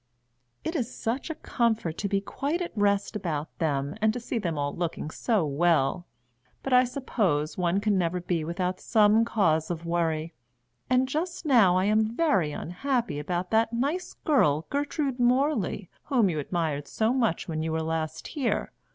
"It is such a comfort to be quite at rest about them, and to see them all looking so well. But I suppose one can never be without some cause of worry, and just now I am very unhappy about that nice girl Gertrude Morley whom you admired so much when you were last here.